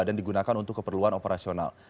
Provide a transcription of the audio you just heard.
tol paspro ini juga diadakan untuk keperluan operasional